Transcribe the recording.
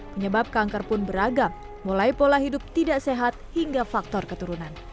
penyebab kanker pun beragam mulai pola hidup tidak sehat hingga faktor keturunan